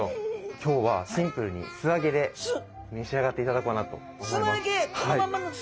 今日はシンプルに素揚げで召し上がっていただこうかなと思います。